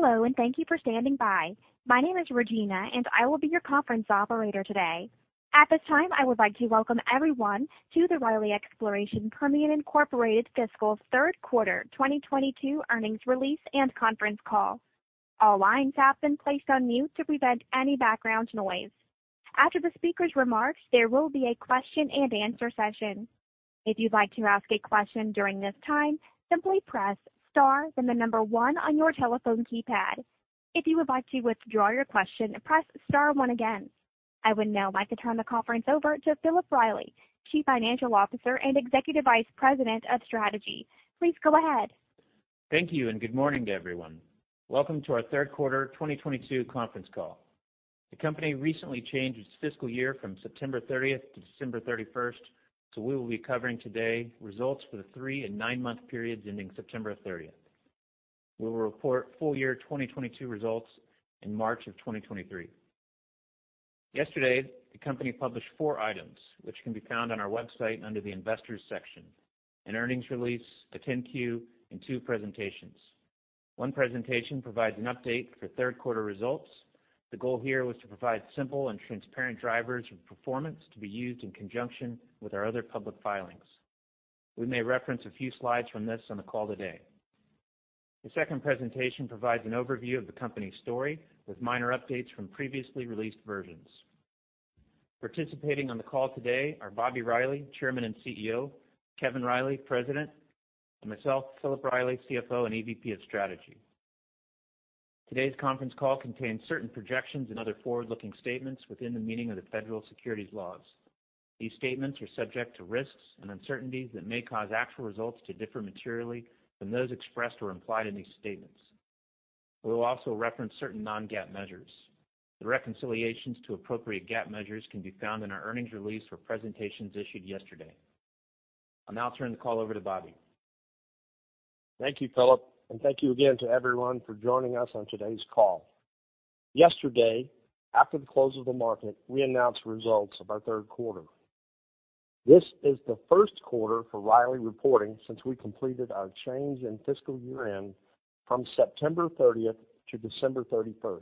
Hello, and thank you for standing by. My name is Regina, and I will be your conference operator today. At this time, I would like to welcome everyone to the Riley Exploration Permian, Inc. Fiscal Third Quarter 2022 Earnings Release and Conference Call. All lines have been placed on mute to prevent any background noise. After the speaker's remarks, there will be a question-and-answer session. If you'd like to ask a question during this time, simply press Star, then the number one on your telephone keypad. If you would like to withdraw your question, press Star one again. I would now like to turn the conference over to Philip Riley, Chief Financial Officer and Executive Vice President of Strategy. Please go ahead. Thank you and good morning to everyone. Welcome to our third quarter 2022 conference call. The company recently changed its fiscal year from September thirtieth to December thirty-first, so we will be covering today results for the 3- and 9-month periods ending September thirtieth. We will report full year 2022 results in March of 2023. Yesterday, the company published 4 items, which can be found on our website under the Investors section. An earnings release, a 10-Q, and two presentations. One presentation provides an update for third quarter results. The goal here was to provide simple and transparent drivers of performance to be used in conjunction with our other public filings. We may reference a few slides from this on the call today. The second presentation provides an overview of the company story with minor updates from previously released versions. Participating on the call today are Bobby Riley, Chairman and CEO, Kevin Riley, President, and myself, Philip Riley, CFO and EVP of Strategy. Today's conference call contains certain projections and other forward-looking statements within the meaning of the federal securities laws. These statements are subject to risks and uncertainties that may cause actual results to differ materially from those expressed or implied in these statements. We will also reference certain non-GAAP measures. The reconciliations to appropriate GAAP measures can be found in our earnings release for presentations issued yesterday. I'll now turn the call over to Bobby. Thank you, Philip, and thank you again to everyone for joining us on today's call. Yesterday, after the close of the market, we announced results of our third quarter. This is the first quarter for Riley reporting since we completed our change in fiscal year-end from September thirtieth to December 31st.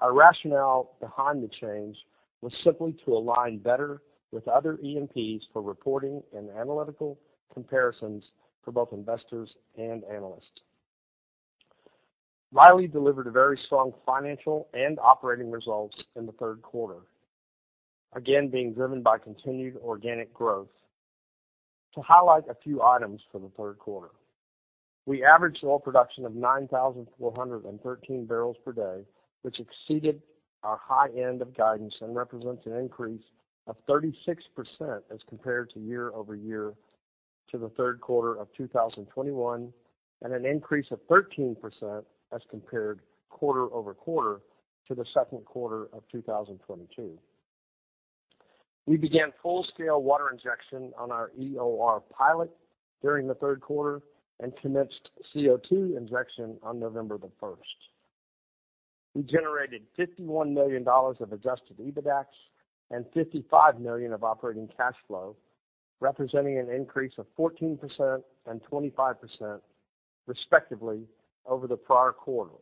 Our rationale behind the change was simply to align better with other E&Ps for reporting and analytical comparisons for both investors and analysts. Riley delivered a very strong financial and operating results in the third quarter, again, being driven by continued organic growth. To highlight a few items for the third quarter. We averaged oil production of 9,413 barrels per day, which exceeded our high end of guidance and represents an increase of 36% as compared to year-over-year to the third quarter of 2021, and an increase of 13% as compared quarter-over-quarter to the second quarter of 2022. We began full-scale water injection on our EOR pilot during the third quarter and commenced CO2 injection on November 1. We generated $51 million of adjusted EBITDAX and $55 million of Operating Cash Flow, representing an increase of 14% and 25%, respectively, over the prior quarter.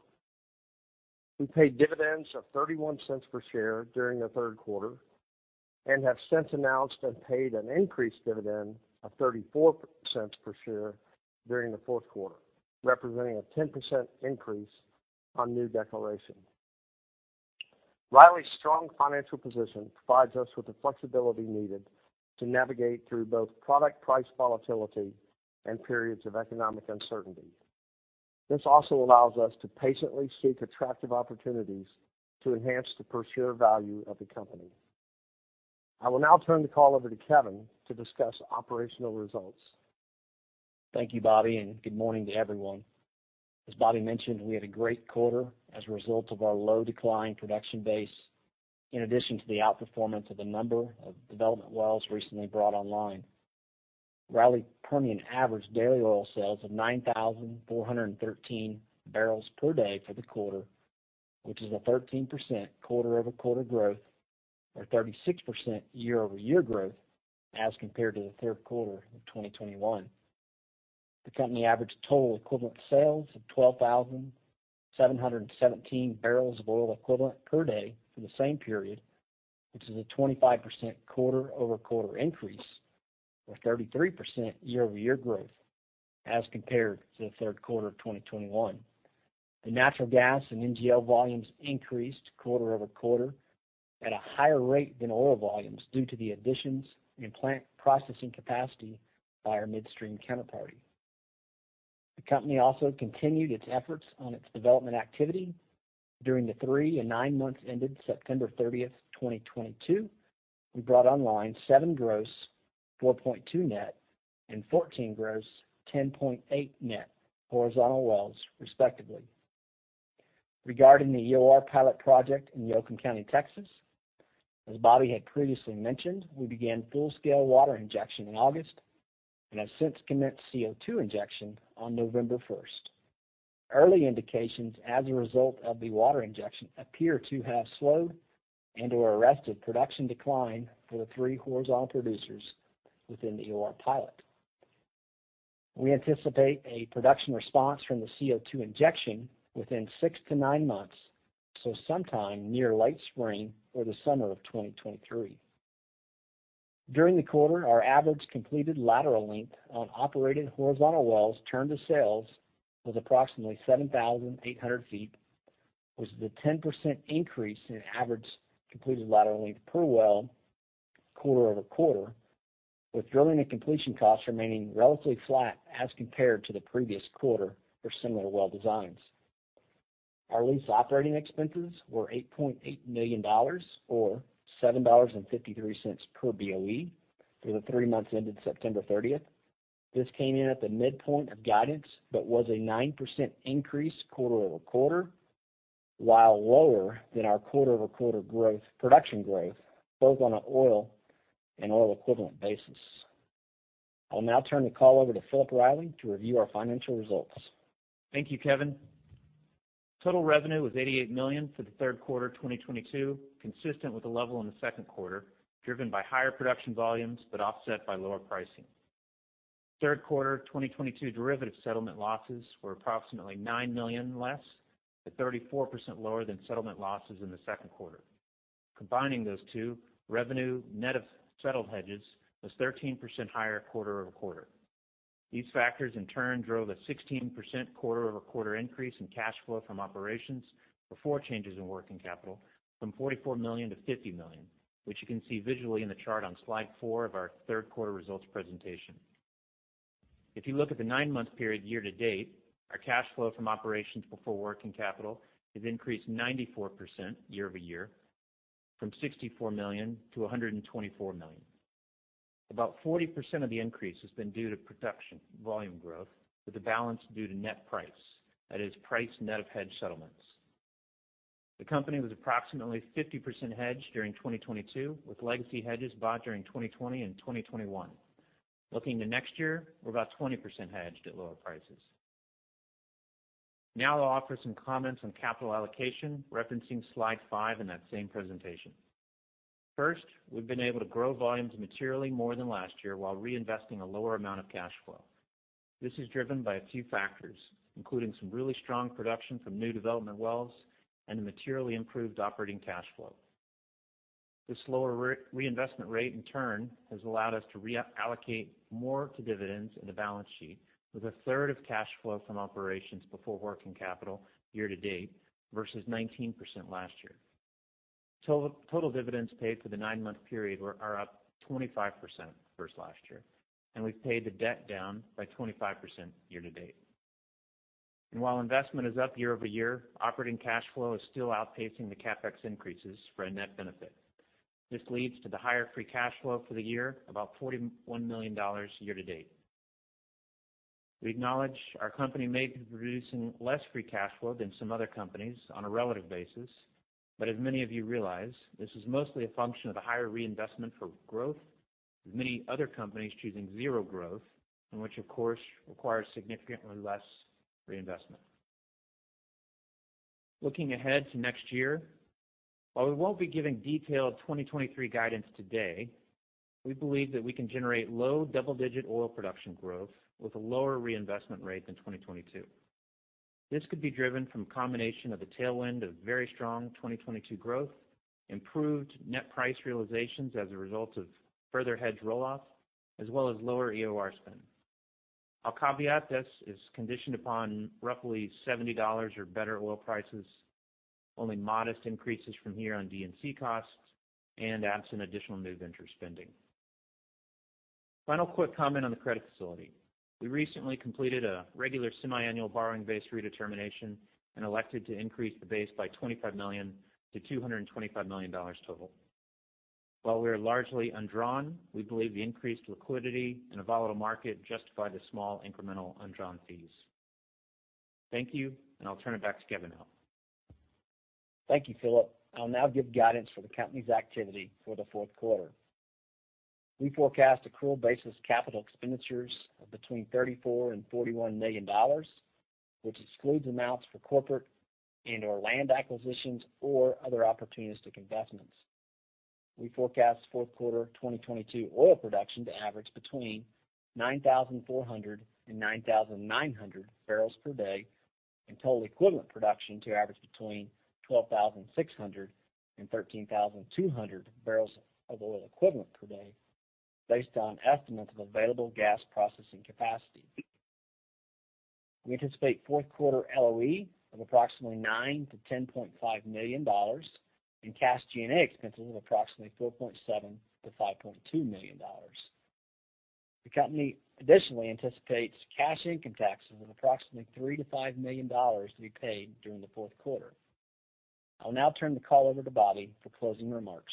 We paid dividends of $0.31 per share during the third quarter and have since announced and paid an increased dividend of $0.34 per share during the fourth quarter, representing a 10% increase on new declaration. Riley's strong financial position provides us with the flexibility needed to navigate through both product price volatility and periods of economic uncertainty. This also allows us to patiently seek attractive opportunities to enhance the per share value of the company. I will now turn the call over to Kevin to discuss operational results. Thank you, Bobby, and good morning to everyone. As Bobby mentioned, we had a great quarter as a result of our low decline production base, in addition to the outperformance of a number of development wells recently brought online. Riley Permian averaged daily oil sales of 9,413 barrels per day for the quarter, which is a 13% quarter-over-quarter growth or 36% year-over-year growth as compared to the third quarter of 2021. The company averaged total equivalent sales of 12,717 barrels of oil equivalent per day for the same period, which is a 25% quarter-over-quarter increase or 33% year-over-year growth as compared to the third quarter of 2021. The natural gas and NGL volumes increased quarter-over-quarter at a higher rate than oil volumes due to the additions in plant processing capacity by our midstream counterparty. The company also continued its efforts on its development activity. During the 3 and 9 months ended September 30, 2022, we brought online 7 gross, 4.2 net, and 14 gross, 10.8 net horizontal wells, respectively. Regarding the EOR pilot project in Yoakum County, Texas, as Bobby had previously mentioned, we began full-scale water injection in August and have since commenced CO2 injection on November 1. Early indications as a result of the water injection appear to have slowed and/or arrested production decline for the 3 horizontal producers within the EOR pilot. We anticipate a production response from the CO2 injection within 6-9 months, so sometime near late spring or the summer of 2023. During the quarter, our average completed lateral length on operated horizontal wells turned to sales was approximately 7,800 feet, which is a 10% increase in average completed lateral length per well quarter-over-quarter, with drilling and completion costs remaining relatively flat as compared to the previous quarter for similar well designs. Our lease operating expenses were $8.8 million or $7.53 per BOE for the three months ended September 30th. This came in at the midpoint of guidance, but was a 9% increase quarter-over-quarter, while lower than our quarter-over-quarter growth, production growth, both on an oil and oil equivalent basis. I'll now turn the call over to Philip Riley to review our financial results. Thank you, Kevin. Total revenue was $88 million for the third quarter of 2022, consistent with the level in the second quarter, driven by higher production volumes but offset by lower pricing. Third quarter 2022 derivative settlement losses were approximately $9 million less, at 34% lower than settlement losses in the second quarter. Combining those two, revenue net of settled hedges was 13% higher quarter-over-quarter. These factors in turn drove a 16% quarter-over-quarter increase in Cash Flow from Operations before changes in working capital from $44 million to $50 million, which you can see visually in the chart on slide 4 of our third quarter results presentation. If you look at the 9-month period year to date, our Cash Flow from Operations before working capital has increased 94% year-over-year from $64 million to $124 million. About 40% of the increase has been due to production volume growth, with the balance due to net price, that is price net of hedge settlements. The company was approximately 50% hedged during 2022, with legacy hedges bought during 2020 and 2021. Looking to next year, we're about 20% hedged at lower prices. Now I'll offer some comments on capital allocation, referencing slide 5 in that same presentation. First, we've been able to grow volumes materially more than last year while reinvesting a lower amount of cash flow. This is driven by a few factors, including some really strong production from new development wells and a materially improved Operating Cash Flow. This lower reinvestment rate, in turn, has allowed us to reallocate more to dividends and the balance sheet with a third of Cash Flow from Operations before working capital year to date versus 19% last year. Total dividends paid for the nine-month period are up 25% versus last year, and we've paid the debt down by 25% year to date. While investment is up year-over-year, Operating Cash Flow is still outpacing the CapEx increases for a net benefit. This leads to the higher free cash flow for the year, about $41 million year to date. We acknowledge our company may be producing less free cash flow than some other companies on a relative basis. As many of you realize, this is mostly a function of a higher reinvestment for growth, with many other companies choosing zero growth, and which of course, requires significantly less reinvestment. Looking ahead to next year, while we won't be giving detailed 2023 guidance today, we believe that we can generate low double-digit oil production growth with a lower reinvestment rate than 2022. This could be driven from a combination of a tailwind of very strong 2022 growth, improved net price realizations as a result of further hedge roll-off, as well as lower EOR spend. I'll caveat this is conditioned upon roughly $70 or better oil prices, only modest increases from here on D&C costs and absent additional new venture spending. Final quick comment on the credit facility. We recently completed a regular semiannual borrowing base redetermination and elected to increase the base by $25 million to $225 million total. While we are largely undrawn, we believe the increased liquidity in a volatile market justify the small incremental undrawn fees. Thank you, and I'll turn it back to Kevin now. Thank you, Philip. I'll now give guidance for the company's activity for the fourth quarter. We forecast accrual basis capital expenditures of between $34 million and $41 million, which excludes amounts for corporate and/or land acquisitions or other opportunistic investments. We forecast fourth quarter 2022 oil production to average between 9,400 and 9,900 barrels per day, and total equivalent production to average between 12,600 and 13,200 barrels of oil equivalent per day, based on estimates of available gas processing capacity. We anticipate fourth quarter LOE of approximately $9-$10.5 million and cash G&A expenses of approximately $4.7-5.2 million. The company additionally anticipates cash income taxes of approximately $3-5 million to be paid during the fourth quarter. I'll now turn the call over to Bobby for closing remarks.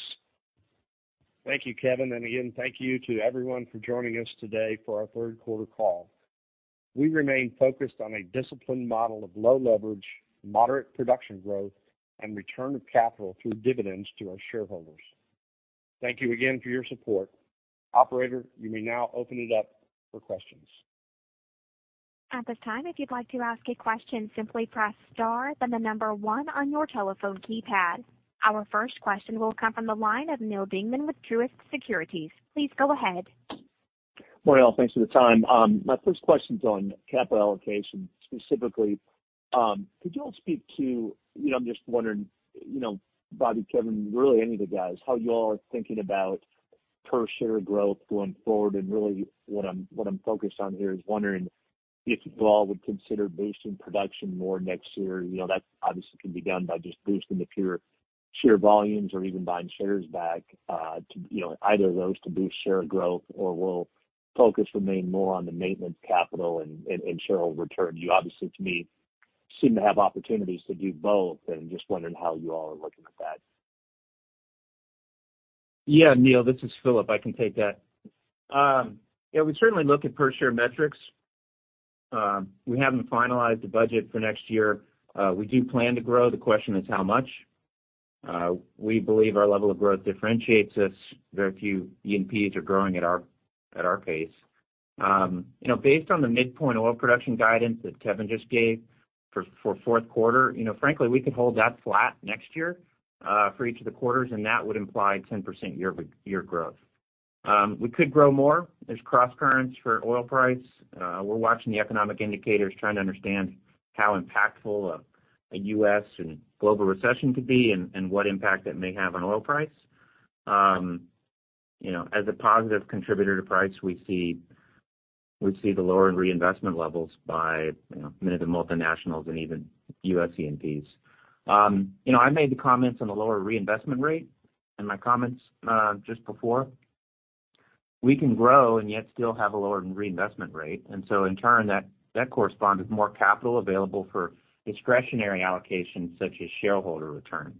Thank you, Kevin. Again, thank you to everyone for joining us today for our third quarter call. We remain focused on a disciplined model of low leverage, moderate production growth, and return of capital through dividends to our shareholders. Thank you again for your support. Operator, you may now open it up for questions. At this time, if you'd like to ask a question, simply press star then the number one on your telephone keypad. Our first question will come from the line of Neal Dingmann with Truist Securities. Please go ahead. Well, thanks for the time. My first question is on capital allocation. Specifically, could you all speak to. You know, I'm just wondering, you know, Bobby, Kevin, really any of the guys, how you all are thinking about per share growth going forward. Really what I'm focused on here is wondering if you all would consider boosting production more next year. You know, that obviously can be done by just boosting the per share volumes or even buying shares back, to, you know, either of those to boost share growth or will focus remain more on the maintenance Capital and Shareholder Return. You obviously, to me, seem to have opportunities to do both and just wondering how you all are looking at that. Yeah, Neal, this is Philip. I can take that. Yeah, we certainly look at per share metrics. We haven't finalized the budget for next year. We do plan to grow. The question is how much. We believe our level of growth differentiates us. Very few E&Ps are growing at our pace. You know, based on the midpoint oil production guidance that Kevin just gave for fourth quarter, you know, frankly, we could hold that flat next year, for each of the quarters, and that would imply 10% year-over-year growth. We could grow more. There's cross currents for oil price. We're watching the economic indicators, trying to understand how impactful a U.S. and global recession could be and what impact that may have on oil price. You know, as a positive contributor to price, we see the lower reinvestment levels by, you know, many of the multinationals and even U.S. E&Ps. You know, I made the comments on the lower reinvestment rate in my comments just before. We can grow and yet still have a lower reinvestment rate, and so in turn, that corresponds with more capital available for discretionary allocations such as shareholder return.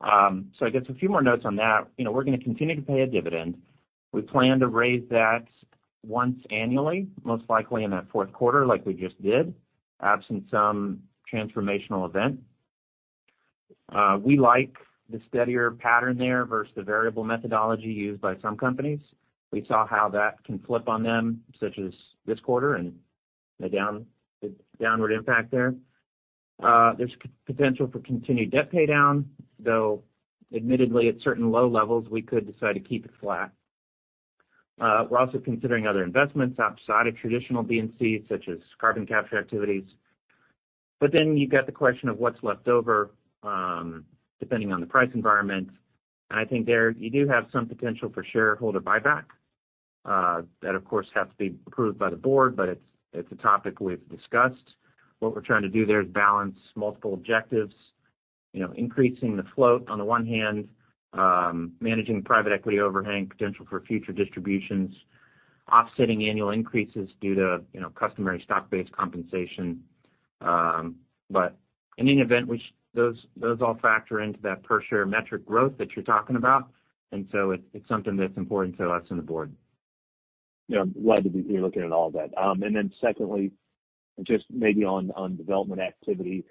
I guess a few more notes on that. You know, we're gonna continue to pay a dividend. We plan to raise that once annually, most likely in that fourth quarter like we just did, absent some transformational event. We like the steadier pattern there versus the variable methodology used by some companies. We saw how that can flip on them, such as this quarter and the downward impact there. There's potential for continued debt paydown, though admittedly, at certain low levels, we could decide to keep it flat. We're also considering other investments outside of traditional D&C, such as carbon capture activities. You've got the question of what's left over, depending on the price environment. I think there you do have some potential for shareholder buyback. That, of course, has to be approved by the board, but it's a topic we've discussed. What we're trying to do there is balance multiple objectives. You know, increasing the float on the one hand, managing the private equity overhang potential for future distributions, offsetting annual increases due to, you know, customary stock-based compensation. In any event, which those all factor into that per share metric growth that you're talking about. It's something that's important to us and the board. Yeah, I'm glad to hear you're looking at all that. Secondly, just maybe on development activity,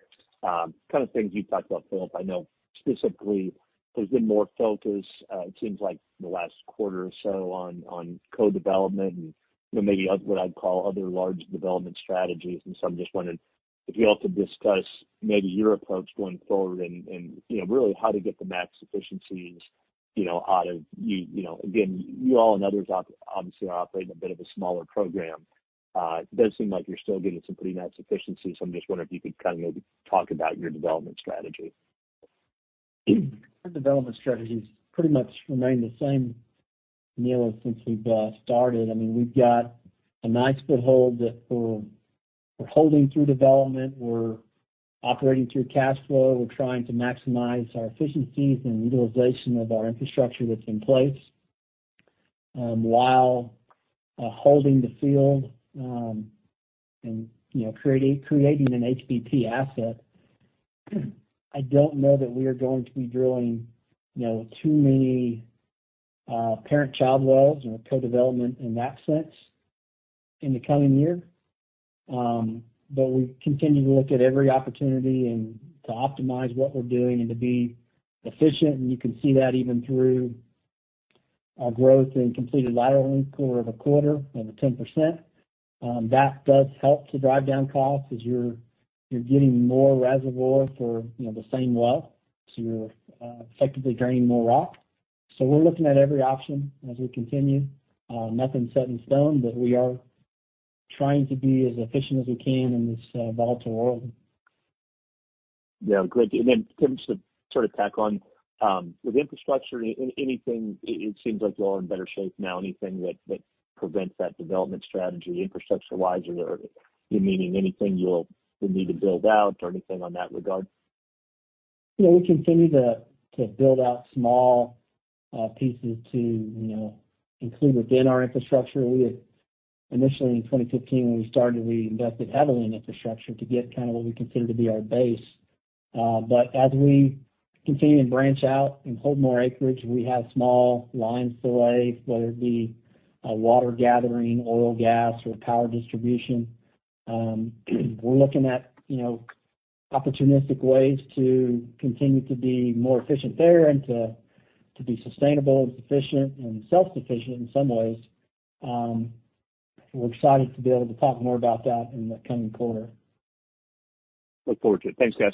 kind of things you talked about, Philip. I know specifically there's been more focus, it seems like in the last quarter or so on co-development and, you know, maybe other, what I'd call, other large development strategies. I'm just wondering if you all could discuss maybe your approach going forward and, you know, really how to get the max efficiencies, you know, out of you. You know, again, you all and others obviously are operating a bit of a smaller program. It does seem like you're still getting some pretty nice efficiencies, so I'm just wondering if you could kind of maybe talk about your development strategy. Our development strategy has pretty much remained the same, Neal, since we've started. I mean, we've got a nice foothold that we're holding through development. We're operating through cash flow. We're trying to maximize our efficiencies and utilization of our infrastructure that's in place, while holding the field, and, you know, creating an HBP Asset. I don't know that we are going to be drilling, you know, too many parent-child wells or co-development in that sense in the coming year. We continue to look at every opportunity and to optimize what we're doing and to be efficient. You can see that even through our growth in completed lateral equivalent of a quarter and the 10%. That does help to drive down costs as you're getting more reservoir for, you know, the same well, so you're effectively draining more rock. We're looking at every option as we continue. Nothing's set in stone, but we are trying to be as efficient as we can in this volatile world. Yeah, great. Kevin, just to sort of tack on, with infrastructure, anything, it seems like you all are in better shape now. Anything that prevents that development strategy infrastructure-wise or you mean anything you would need to build out or anything on that regard? You know, we continue to build out small pieces to, you know, include within our infrastructure. We initially in 2015 when we started, we invested heavily in infrastructure to get kind of what we consider to be our base. As we continue and branch out and hold more acreage, we have small lines to lay, whether it be water gathering, oil, gas, or power distribution. We're looking at, you know, opportunistic ways to continue to be more efficient there and to be sustainable and sufficient and self-sufficient in some ways. We're excited to be able to talk more about that in the coming quarter. Look forward to it. Thanks, guys.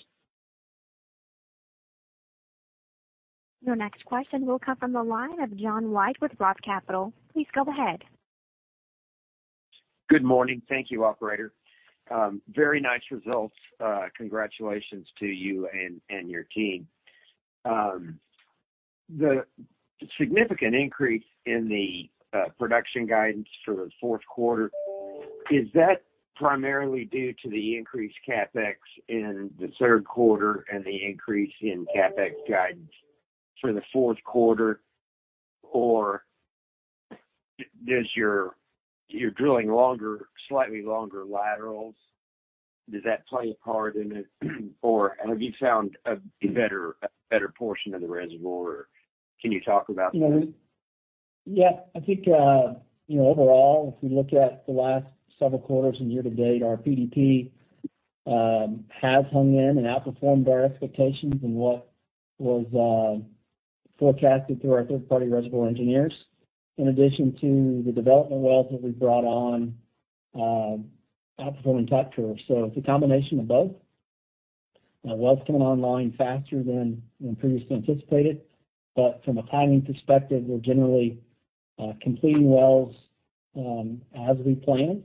Your next question will come from the line of John White with ROTH Capital. Please go ahead. Good morning. Thank you, operator. Very nice results. Congratulations to you and your team. The significant increase in the production guidance for the fourth quarter, is that primarily due to the increased CapEx in the third quarter and the increase in CapEx guidance for the fourth quarter? Or you're drilling longer, slightly longer laterals, does that play a part in it? Or have you found a better portion of the reservoir? Can you talk about that? You know, yeah, I think, you know, overall, if you look at the last several quarters and year to date, our PDP has hung in and outperformed our expectations and what was forecasted through our third-party reservoir engineers. In addition to the development wells that we brought on, outperforming type curves. It's a combination of both. Wells coming online faster than previously anticipated. From a timing perspective, we're generally completing wells as we planned.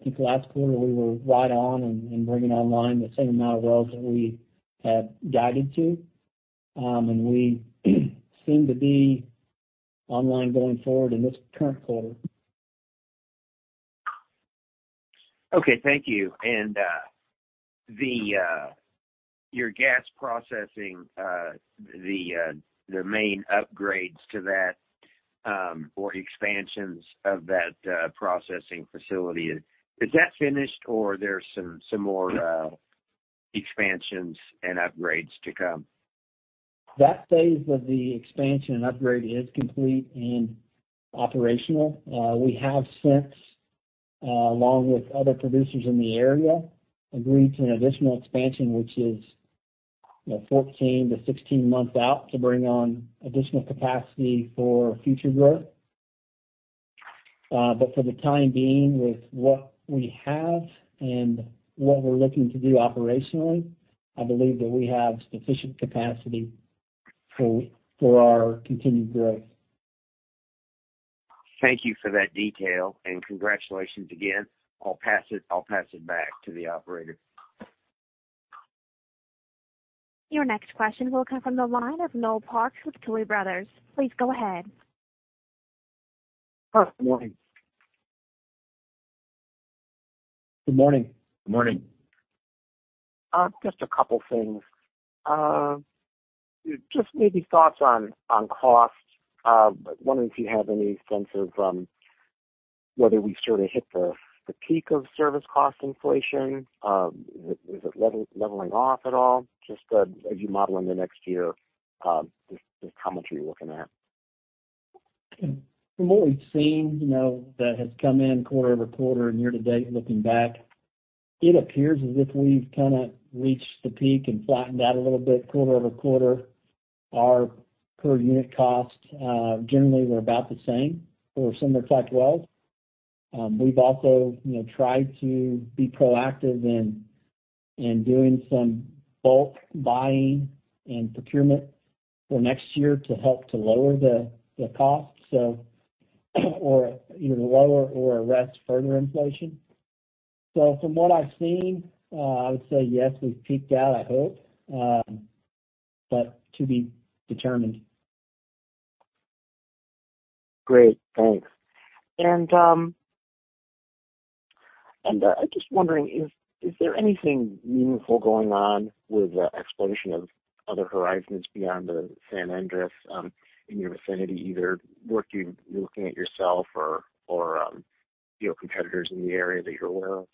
I think the last quarter we were right on in bringing online the same amount of wells that we had guided to. We seem to be online going forward in this current quarter. Okay. Thank you. Your gas processing, the main upgrades to that or expansions of that processing facility, is that finished or there's some more expansions and upgrades to come? That phase of the expansion and upgrade is complete and operational. We have since, along with other producers in the area, agreed to an additional expansion, which is, you know, 14-16 months out to bring on additional capacity for future growth. For the time being, with what we have and what we're looking to do operationally, I believe that we have sufficient capacity for our continued growth. Thank you for that detail, and congratulations again. I'll pass it back to the operator. Your next question will come from the line of Noel Parks with Tuohy Brothers. Please go ahead. Good morning. Good morning. Good morning. Just a couple things. Just maybe thoughts on cost. Wondering if you have any sense of whether we've sort of hit the peak of service cost inflation. Is it leveling off at all? Just as you model in the next year, just commentary you're looking at. From what we've seen, you know, that has come in quarter-over-quarter and year to date, looking back, it appears as if we've kinda reached the peak and flattened out a little bit quarter-over-quarter. Our per unit cost generally were about the same for similar type wells. We've also, you know, tried to be proactive in doing some bulk buying and procurement for next year to help to lower the cost, so or either lower or arrest further inflation. From what I've seen, I would say yes, we've peaked out, I hope. But to be determined. Great. Thanks. I'm just wondering, is there anything meaningful going on with the exploration of other horizons beyond the San Andres, in your vicinity, either work you're looking at yourself or, you know, competitors in the area that you're aware of?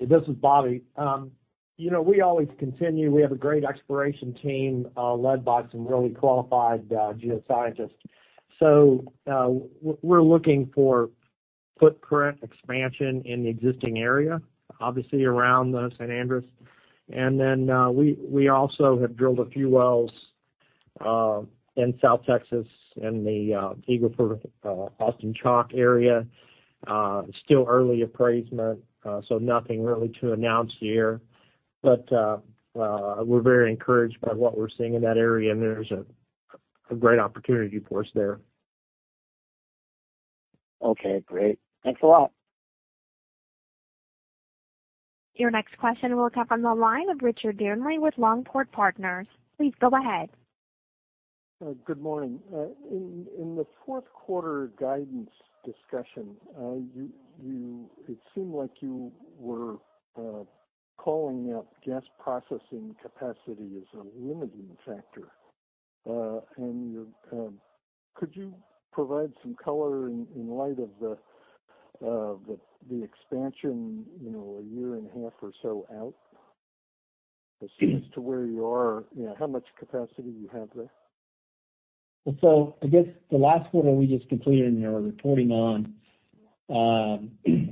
This is Bobby. You know, we always continue. We have a great exploration team, led by some really qualified geoscientists. We're looking for footprint expansion in the existing area, obviously around the San Andres. Then, we also have drilled a few wells, in South Texas in the Eagle Ford, Austin Chalk area. Still early appraisal, so nothing really to announce here. We're very encouraged by what we're seeing in that area, and there's a great opportunity for us there. Okay, great. Thanks a lot. Your next question will come from the line of Richard Dearnley with Longport Partners. Please go ahead. Good morning. In the fourth quarter guidance discussion, it seemed like you were calling out gas processing capacity as a limiting factor. Could you provide some color in light of the expansion, you know, a year and a half or so out as to where you are, you know, how much capacity you have there? I guess the last quarter we just completed and are reporting on,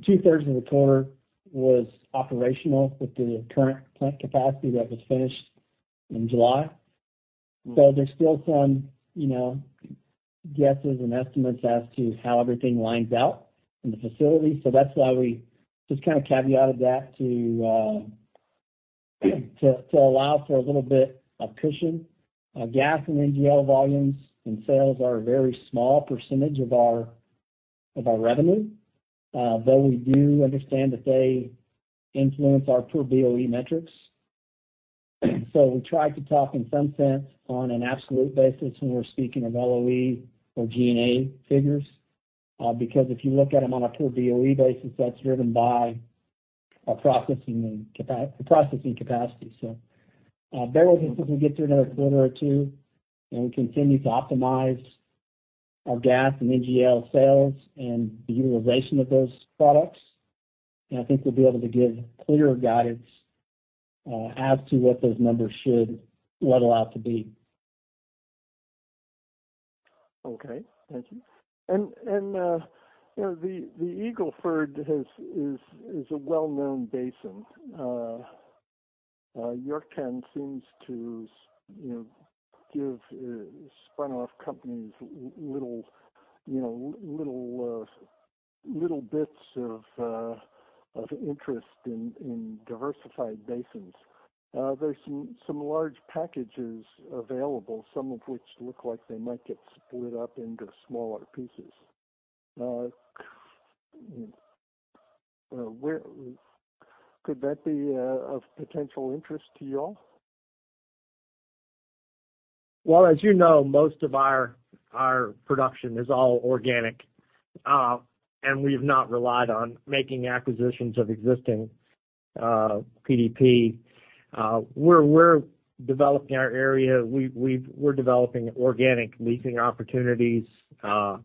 two-thirds of the quarter was operational with the current plant capacity that was finished in July. There's still some, you know, guesses and estimates as to how everything lines out in the facility. That's why we just kind of caveated that to allow for a little bit of cushion. Gas and NGL volumes and sales are a very small percentage of our revenue, but we do understand that they influence our per Boe metrics. We try to talk in some sense on an absolute basis when we're speaking of LOE or G&A figures, because if you look at them on a per Boe basis, that's driven by our processing capacity. Bear with us as we get through another quarter or two, and we continue to optimize our gas and NGL sales and the utilization of those products. I think we'll be able to give clearer guidance, as to what those numbers should level out to be. Okay. Thank you. You know, the Eagle Ford is a well-known basin. Yorktown seems to, you know, give spun off companies little, you know, little bits of interest in diversified basins. There's some large packages available, some of which look like they might get split up into smaller pieces. Could that be of potential interest to y'all? Well, as you know, most of our production is all organic, and we've not relied on making acquisitions of existing PDP. We're developing our area. We're developing organic leasing opportunities, a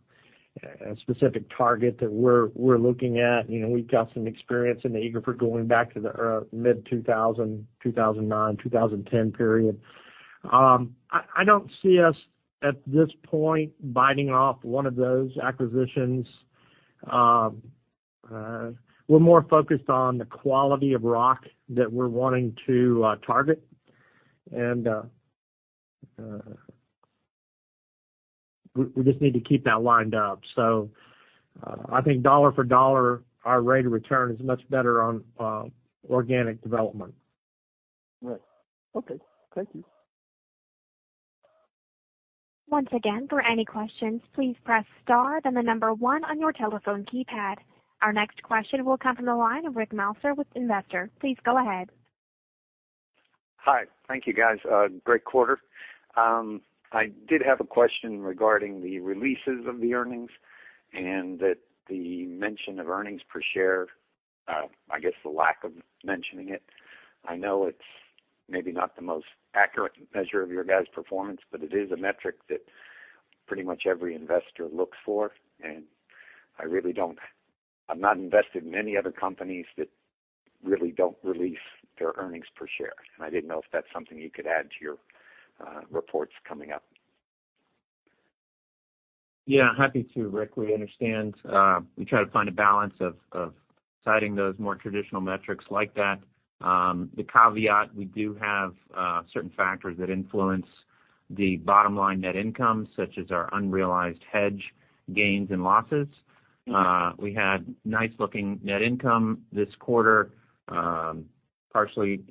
specific target that we're looking at. You know, we've got some experience in the Eagle Ford going back to the mid-2000, 2009, 2010 period. I don't see us at this point biting off one of those acquisitions. We're more focused on the quality of rock that we're wanting to target. We just need to keep that lined up. I think dollar for dollar, our rate of return is much better on organic development. Right. Okay. Thank you. Once again, for any questions, please press star, then the number one on your telephone keypad. Our next question will come from the line of Rick Hauser with Investor. Please go ahead. Hi. Thank you, guys. A great quarter. I did have a question regarding the releases of the earnings and the mention of earnings per share, I guess, the lack of mentioning it. I know it's maybe not the most accurate measure of your guys' performance, but it is a metric that pretty much every investor looks for. I'm not invested in many other companies that really don't release their earnings per share. I didn't know if that's something you could add to your reports coming up. Yeah, happy to, Rick. We understand. We try to find a balance of citing those more traditional metrics like that. The caveat, we do have certain factors that influence the bottom line net income, such as our Unrealized Hedge Gains and Losses. We had nice looking net income this quarter, partially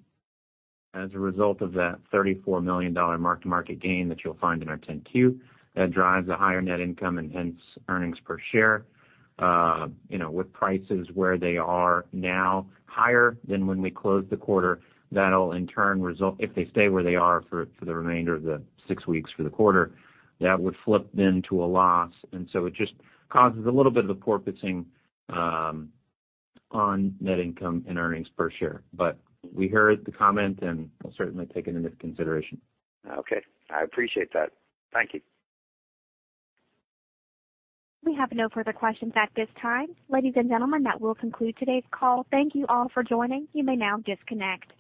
as a result of that $34 million mark-to-market gain that you'll find in our 10-Q. That drives a higher net income and hence earnings per share. You know, with prices where they are now, higher than when we closed the quarter, that'll in turn result if they stay where they are for the remainder of the six weeks of the quarter, that would flip then to a loss. It just causes a little bit of a poor fit on net income and earnings per share. We heard the comment, and we'll certainly take it into consideration. Okay. I appreciate that. Thank you. We have no further questions at this time. Ladies and gentlemen, that will conclude today's call. Thank you all for joining. You may now disconnect.